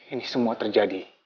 ini semua terjadi